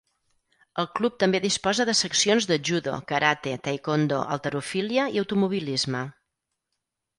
El club també disposa de seccions de judo, karate, taekwondo, halterofília i automobilisme.